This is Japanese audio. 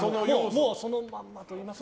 もうそのまんまといいますか。